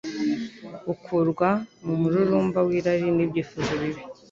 bukurwa mu mururumba w’irari n’ibyifuzo bibi,